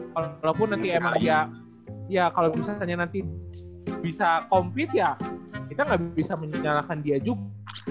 walaupun nanti emang ya kalau misalnya nanti bisa compete ya kita nggak bisa menyalahkan dia juga